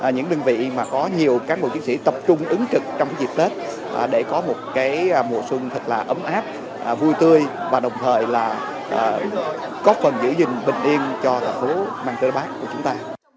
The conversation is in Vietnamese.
những đơn vị mà có nhiều cán bộ chiến sĩ tập trung ứng trực trong dịp tết để có một mùa xuân thật là ấm áp vui tươi và đồng thời là có phần giữ gìn bình yên cho thành phố mang tây bắc của chúng ta